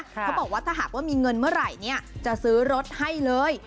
เขาบอกว่าถ้าหากว่ามีเงินเมื่อไหร่จะซื้อรถให้เลย